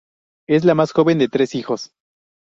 Es la más joven de tres hijos.